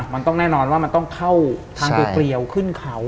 มันต้องแน่นอนว่ามันต้องเข้าทางเกลียวขึ้นเขา